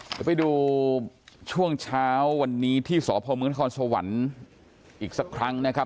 จะไปดูช่วงเช้าวันนี้ที่สพมนสวอีกสักครั้งนะครับ